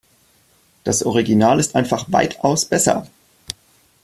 Das Original ist einfach weitaus besser.